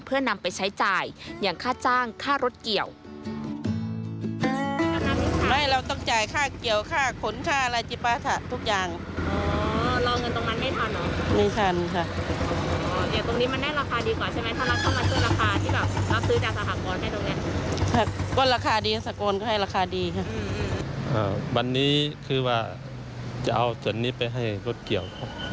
เพื่อนำไปใช้จ่ายอย่างค่าจ้างค่ารถเกี่ยว